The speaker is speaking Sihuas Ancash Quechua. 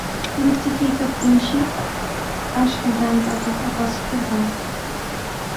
Michikuykaptinshi ashkallanta atuq apaskirqan.